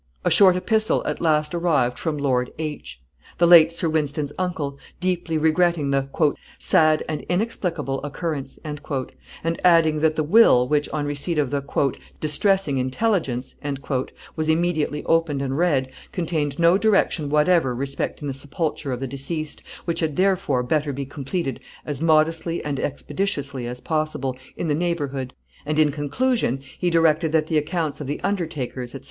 A short epistle at last arrived from Lord H , the late Sir Wynston's uncle, deeply regretting the "sad and inexplicable occurrence," and adding, that the will, which, on receipt of the "distressing intelligence," was immediately opened and read, contained no direction whatever respecting the sepulture of the deceased, which had therefore better be completed as modestly and expeditiously as possible, in the neighborhood; and, in conclusion, he directed that the accounts of the undertakers, &c.